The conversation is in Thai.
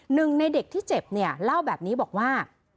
หนึ่งในเด็กที่เจ็บเนี่ยเล่าแบบนี้บอกว่า